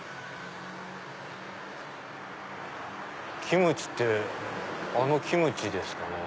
キムチってあのキムチですかね。